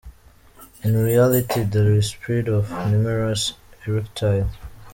In reality, there’s a spread of numerous erectile .